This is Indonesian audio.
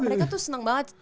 mereka tuh seneng banget